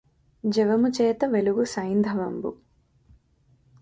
జవముచేత వెలుగు సైంధవంబు